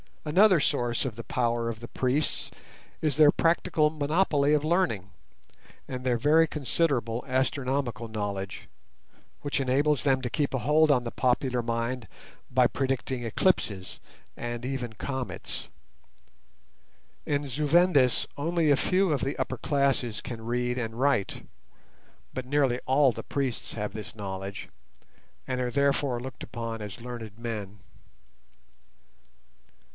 Another source of the power of the priests is their practical monopoly of learning, and their very considerable astronomical knowledge, which enables them to keep a hold on the popular mind by predicting eclipses and even comets. In Zu Vendis only a few of the upper classes can read and write, but nearly all the priests have this knowledge, and are therefore looked upon as learned men.